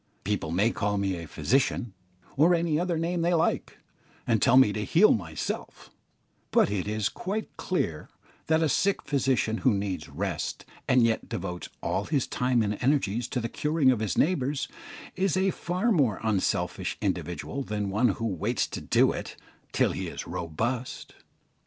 People may call me a "physician" or any other name they like, and tell me to heal myself; but it is quite clear that a sick physician who needs rest, and yet devotes all his time and energies to the curing of his neighbours, is a far more unselfish individual than one who waits to do it till he is robust.